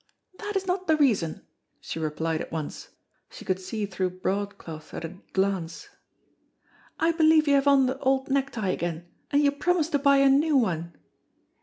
"That is not the reason," she replied at once (she could see through broadcloth at a glance), "I believe you have on the old necktie again, and you promised to buy a new one."